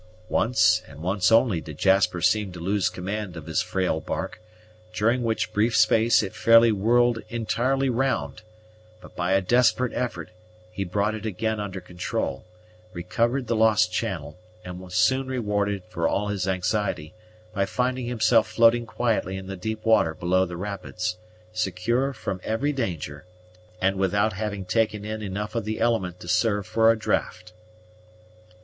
Once, and once only, did Jasper seem to lose command of his frail bark, during which brief space it fairly whirled entirely round; but by a desperate effort he brought it again under control, recovered the lost channel, and was soon rewarded for all his anxiety by finding himself floating quietly in the deep water below the rapids, secure from every danger, and without having taken in enough of the element to serve for a draught.